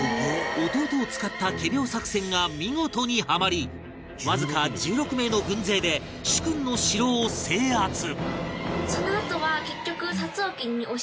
弟を使った仮病作戦が見事にはまりわずか１６名の軍勢で主君の城を制圧